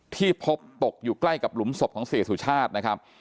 ที่พบตกอยู่ใกล้กับหลุมศพของเสียสุชาตินะครับ